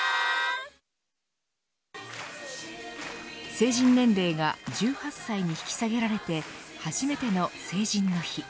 成人年齢が１８歳に引き下げられて初めての成人の日。